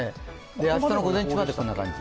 明日の午前中まで、そんな感じ。